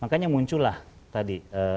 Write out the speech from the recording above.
makanya muncullah tadi